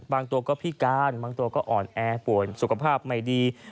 บางตัวก็พิการบางตัวก็อ่อนแอป่วนสุขภาพไม่ดี